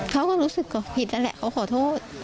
เขาก็รู้สึกก็ผิดนั่นแหละเขาขอโทษ